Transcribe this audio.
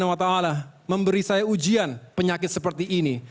kalau sekarang allah swt memberi saya ujian penyakit seperti ini